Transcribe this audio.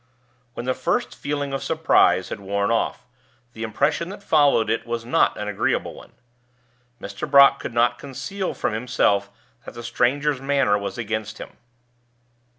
When the first feeling of surprise had worn off, the impression that followed it was not an agreeable one. Mr. Brock could not conceal from himself that the stranger's manner was against him.